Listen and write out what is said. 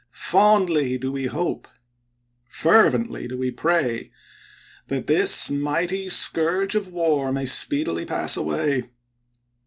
Fondly do we hope — fervently do we pray — that this mighty scourge of war may speedily pass away.